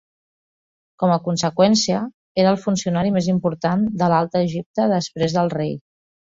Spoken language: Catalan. Com a conseqüència, era el funcionari més important de l'Alt Egipte després del rei.